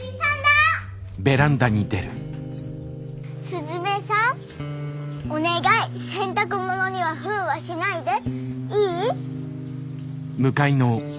すずめさんお願い洗濯物にはふんはしないで。